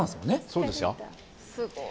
そうですよ。